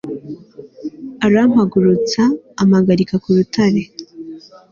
arampagurutsa, ampagarika ku rutare